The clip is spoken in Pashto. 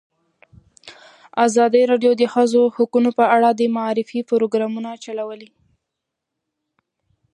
ازادي راډیو د د ښځو حقونه په اړه د معارفې پروګرامونه چلولي.